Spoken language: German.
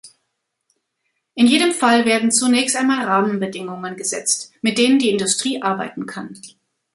In jedem Fall werden zunächst einmal Rahmenbedingungen gesetzt, mit denen die Industrie arbeiten kann.